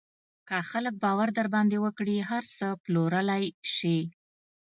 که خلک باور در باندې وکړي، هر څه پلورلی شې.